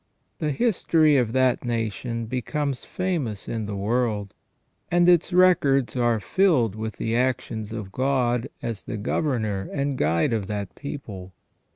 The history of that nation becomes famous in the world, and its records are filled with the actions of God as the governor and guide of that people.